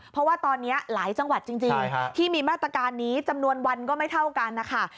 เพราะว่าตอนนี้หลายจังหวัดจริงที่มีมาตรการนี้จำนวนวันก็ไม่เท่ากันนะคะ